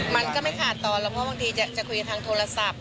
มันก็ไม่ขาดตอนหรอกเพราะบางทีจะคุยทางโทรศัพท์